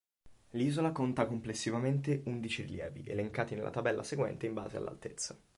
L'isola conta complessivamente undici rilievi, elencati nella tabella seguente in base all'altezza.